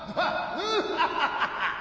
ヌハハハハハ！